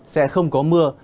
sẽ không có mưa